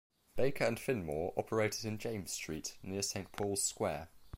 Baker and Finnemore operated in James Street, near Saint Paul's Square.